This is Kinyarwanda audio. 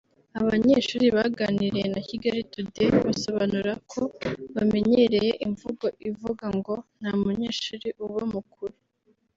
Abanyeshuri baganiriye na Kigali today basobanura ko bamenyereye imvugo ivuga ngo ”Nta munyeshuri uba mukuru”